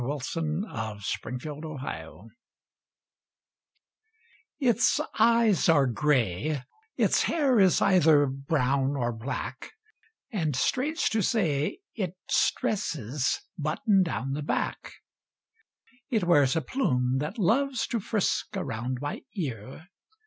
A SKETCH FROM THE LIFE ITS eyes are gray; Its hair is either brown Or black; And, strange to say, Its dresses button down The back! It wears a plume That loves to frisk around My ear.